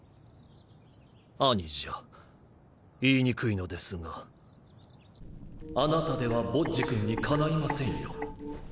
兄者言いにくいのですがあなたではボッジ君にかないませんよ。